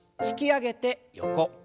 引き上げて横。